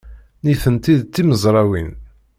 Nitenti d timezrawin.